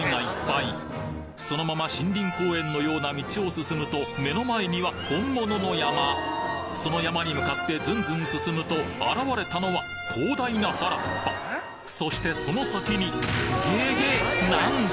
そのまま森林公園のような道を進むと目の前には本物の山その山に向かってずんずん進むと現れたのは広大な原っぱそしてその先にゲゲッなんだ？